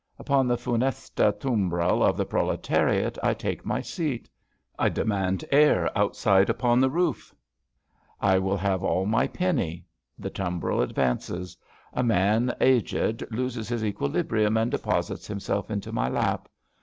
Upon the funeste tumbril of the Proletariat I take my seat. I demand air outside upon the roof. V 58 ABAFT THE FUNNEL I will have all my penny. The tumbril advances. A man aged loses his equilibrium and deposits himself into my lap.